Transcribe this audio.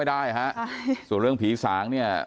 ได้ฮะส่วนเรื่องผีสางเนี่ย